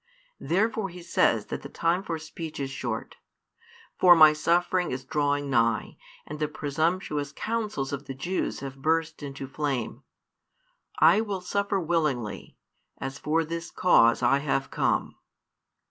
Therefore He says that the time for speech is short. For My suffering is drawing nigh, and the presumptuous counsels of the Jews have burst into flame. I will suffer willingly, as for this cause I have come.